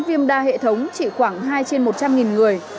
viêm đa hệ thống chỉ khoảng hai trên một trăm linh người